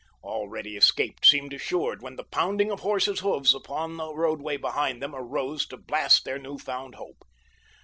Already escape seemed assured when the pounding of horses' hoofs upon the roadway behind them arose to blast their new found hope.